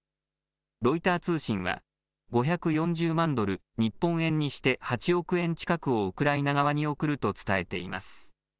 ロイター通信は、５４０万ドル、日本円にして８億円近くをウクライナ側に送ると伝えています。